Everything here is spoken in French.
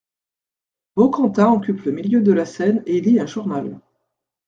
Baucantin occupe le milieu de la scène et lit un journal.